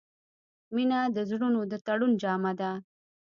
• مینه د زړونو د تړون جامه ده.